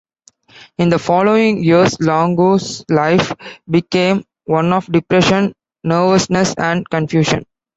In the following years, Longo's life became one of "depression, nervousness, and confusion".